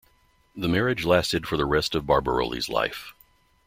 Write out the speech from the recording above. The marriage lasted for the rest of Barbirolli's life.